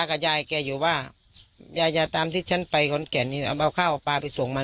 กับยายแกอยู่ว่ายายจะตามที่ฉันไปขอนแก่นนี่เอาข้าวเอาปลาไปส่งมา